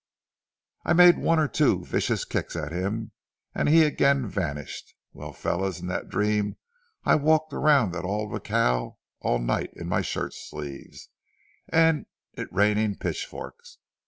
"I made one or two vicious kicks at him and he again vanished. Well, fellows, in that dream I walked around that old jacal all night in my shirt sleeves, and it raining pitchforks.